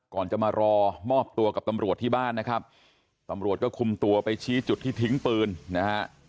ก่อนจะมารอมอบตัวกับตำรวจที่บ้านนะครับตำรวจก็คุมตัวไปชี้จุดที่ทิ้งปืนนะฮะ